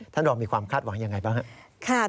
ท่านรอบมีความคาดหวังอย่างไรบ้าง